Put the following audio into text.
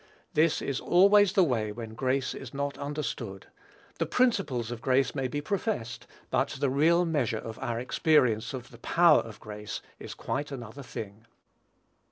This is always the way when grace is not understood: the principles of grace may be professed, but the real measure of our experience of the power of grace is quite another thing.